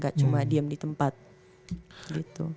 gak cuma diam di tempat gitu